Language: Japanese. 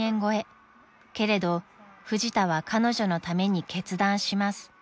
［けれどフジタは彼女のために決断します］